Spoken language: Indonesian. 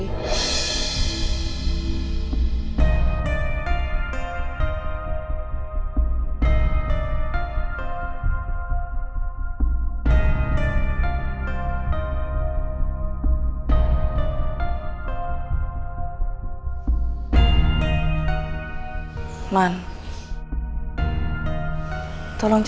iya oke makasih dong